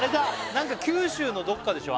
何か九州のどっかでしょ